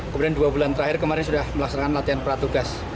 kemudian dua bulan terakhir kemarin sudah melaksanakan latihan peratugas